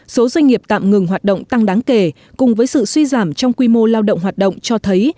số doanh nghiệp tạm ngừng hoạt động tăng đáng kể cùng với sự suy giảm trong quy mô lao động hoạt động cho thấy